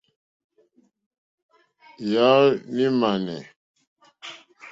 Yàɔ́ !ŋmánɛ́.